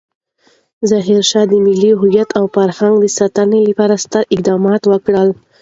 ظاهرشاه د ملي هویت او فرهنګ د ساتنې لپاره ستر اقدامات وکړل.